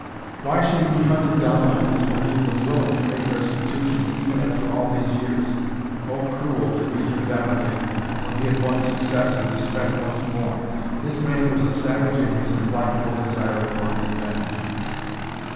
Why should he be hunted down like this when he was willing to make restitution, even after all these years? Oh, cruel! to beat him down again, when he had won success and respect once more! This man was a savage in his implacable desire for revenge.